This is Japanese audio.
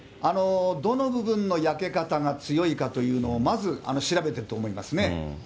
どの部分の焼け方が強いかというのを、まず調べてると思いますね。